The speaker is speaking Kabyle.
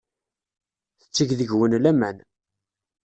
Tetteg deg-wen laman.